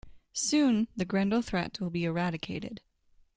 Soon the grendel threat will be eradicated.